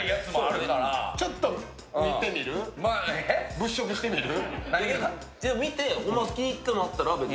物色してみる？